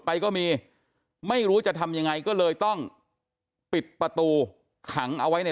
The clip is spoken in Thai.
แข็งแข็งแข็งแข็งแข็งแข็งแข็งแข็งแข็งแข็ง